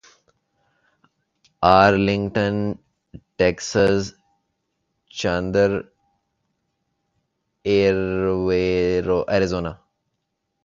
Arlington Texas Chandler Arizona